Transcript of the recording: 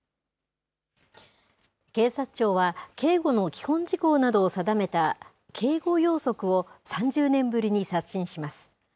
警察庁は、警護の基本事項などを定めた警護要則を３０年ぶりに刷新します。